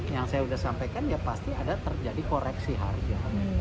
yang saya sudah sampaikan ya pasti ada terjadi koreksi harga